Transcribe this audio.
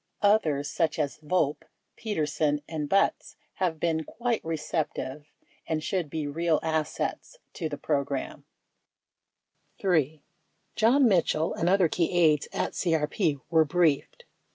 Others, such as Volpe, Peterson, and Butz, have been quite receptive and should 'be real assets to the program. 3. John Mitchell and other key aides at CRP were briefed.